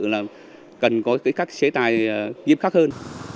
là cần có các chế tài nghiêm khắc hơn